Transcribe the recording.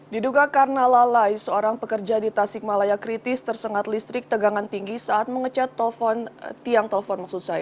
diduga karena lalai seorang pekerja di tasikmalaya kritis tersengat listrik tegangan tinggi saat mengecat tiang telepon